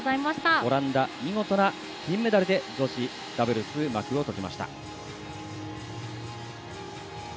オランダ、見事な金メダルで女子ダブルスは幕を閉じました。